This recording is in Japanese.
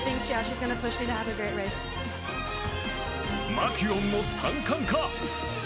マキュオンの３冠か。